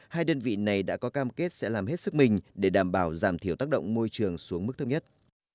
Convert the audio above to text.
hai đơn vị này đã có cam kết sẽ làm hết sức mình để đảm bảo giảm thiểu tác động môi trường xuống mức thấp nhất